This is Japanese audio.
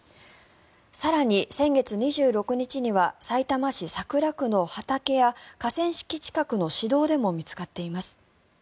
更に、先月２６日にはさいたま市桜区の畑や河川敷近くの市道でも見つかっています。